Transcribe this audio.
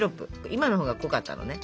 今のほうが濃かったのね。